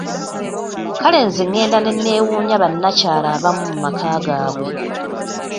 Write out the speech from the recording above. Kale nze ngenda ne nneewuunya bannakyala abamu mu maka gaabwe!